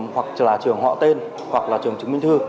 hoặc là trường họ tên hoặc là trường chứng minh thư